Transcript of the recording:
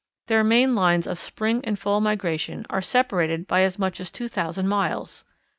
Their main lines of spring and fall migration are separated by as much as two thousand miles.